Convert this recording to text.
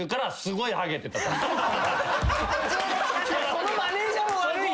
・そのマネージャーも悪い。